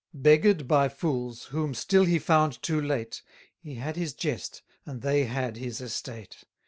560 Beggar'd by fools, whom still he found too late; He had his jest, and they had his estate.